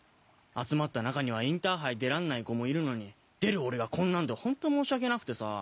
集まった中にはインターハイ出らんない子もいるのに出る俺がこんなんでホント申し訳なくてさ。